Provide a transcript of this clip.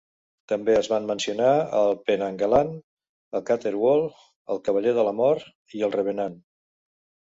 També es van mencionar el penanggalan, el caterwaul, el cavaller de la mort i el revenant.